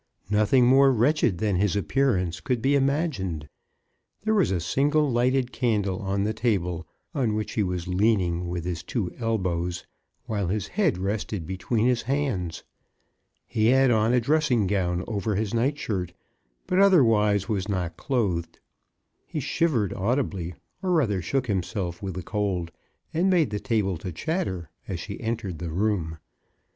Nothing more wretched than his appearance could be imagined. There was a single lighted candle on the table, on which he was leaning with his two elbows, while his head rested between his hands. He had on a dressing gown over his nightshirt, but otherwise was not clothed. He shivered audibly, or rather shook himself with the cold, and made the table to chatter, as she entered the room.